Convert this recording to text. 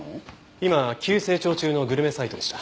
今急成長中のグルメサイトでした。